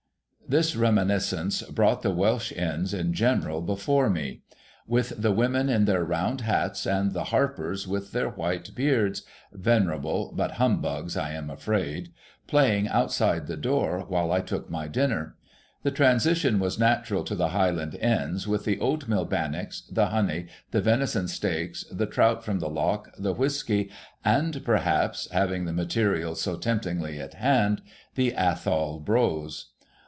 This reminiscence brought the Welsh Inns in general before me ; with the women in their round hats, and the harpers with their white beards (venerable, but humbugs, I am afraid), playing outside the door while I took my dinner. The transition was natural to the Highland Inns, with the oatmeal bannocks, the honey, the venison steaks, the trout from the loch, the whisky, and perhaps (having the materials so temptingly at hand) the Athol brose.